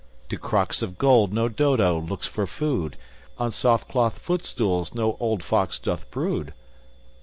To crocks of gold no Dodo looks for food. On soft cloth footstools no old fox doth brood.